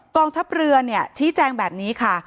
กองทัพเรือชี้แจงแบบนี้ค่ะ